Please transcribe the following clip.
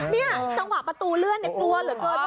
นี่ประตูเรื่องนี้เกลือเหรอเกิน